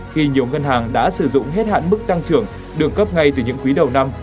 khi nhiều ngân hàng đã sử dụng hết hạn mức tăng trưởng được cấp ngay từ những quý đầu năm